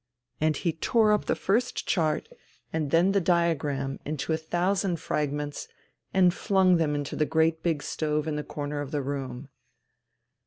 And he tore up first the chart and then the diagram into a thousand fragments and flimg them into the great big stove in the corner of the room.